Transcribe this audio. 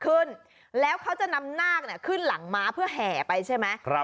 ขึ้นแล้วเขาจะนำนาคขึ้นหลังม้าเพื่อแห่ไปใช่ไหม